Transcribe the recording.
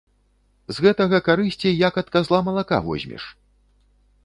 З гэтага карысці як ад казла малака возьмеш!